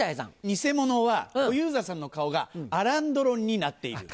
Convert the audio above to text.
偽物は小遊三さんの顔がアラン・ドロンになっている。